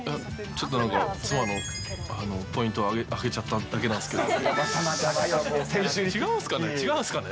ちょっと妻のポイントを上げちゃっただけなんですけど。